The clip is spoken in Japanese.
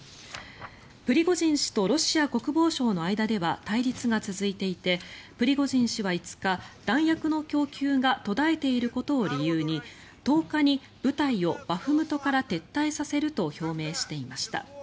プリゴジン氏とロシア国防省の間では対立が続いていてプリゴジン氏は５日弾薬の供給が途絶えていることを理由に１０日に部隊をバフムトから撤退させると表明していました。